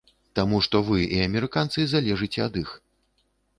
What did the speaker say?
Таму што вы і амерыканцы залежыце ад іх.